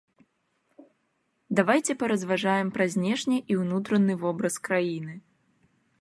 Давайце паразважаем пра знешні і ўнутраны вобраз краіны.